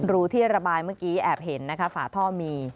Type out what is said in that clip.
รูที่ระบายเมื่อกี้แอบเห็นนะคะฝาท่อมี